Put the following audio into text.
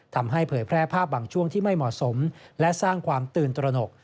เผยแพร่ภาพบางช่วงที่ไม่เหมาะสมและสร้างความตื่นตระหนก